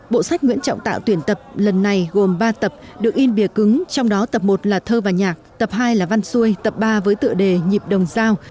bộ sách nguyễn trọng tạo tuyển tập lần này gồm ba tập được in bìa cứng trong đó tập một là thơ và nhạc tập hai là văn xuôi tập ba với tựa đề nhịp đồng giao